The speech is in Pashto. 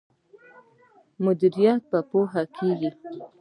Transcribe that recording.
مدیریت په پوهه کیږي.